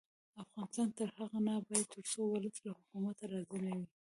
افغانستان تر هغو نه ابادیږي، ترڅو ولس له حکومته راضي نه وي.